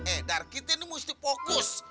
eh dar kita ini mesti fokus